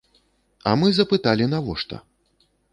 А мы запыталі навошта.